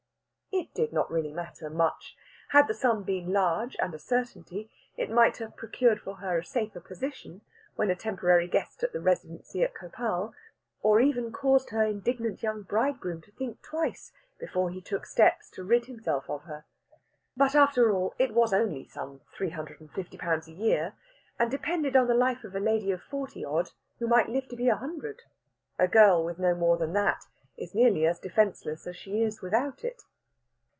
It did not really matter much. Had the sum been large, and a certainty, it might have procured for her a safer position when a temporary guest at the Residency at Khopal, or even caused her indignant young bridegroom to think twice before he took steps to rid himself of her. But, after all, it was only some three hundred and fifty pounds a year, and depended on the life of a lady of forty odd, who might live to be a hundred. A girl with no more than that is nearly as defenceless as she is without it.